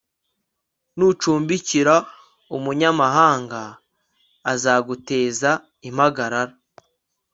nucumbikira umunyamahanga azaguteza impagarara